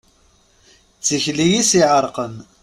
D tikli i s-iɛerqen.